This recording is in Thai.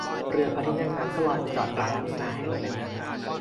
เรือพระที่นั่งนั้นก็ลอยไปจอดกลางทุ่งนาแห่งหนึ่ง